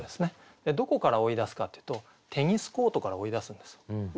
どこから追い出すかっていうとテニスコートから追い出すんですよ。